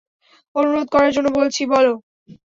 অনুরোধ করার জন্য বলছি, বল।